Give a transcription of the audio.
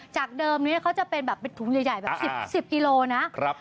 จากเดิมนี้เขาจะเป็นแบบเป็นถุงใหญ่แบบ๑๐กิโลนะ